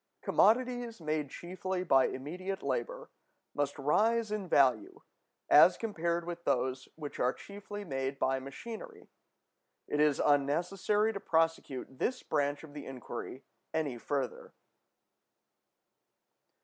(343) Commodities made chiefly by immediate labor must rise in value, as compared with those which are chiefly made by machinery. It is unnecessary to prosecute this branch of the inquiry any further.